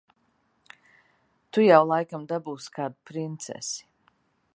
Tu jau laikam dabūsi kādu princesi.